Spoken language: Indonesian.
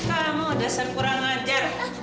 kamu dasar kurang ajar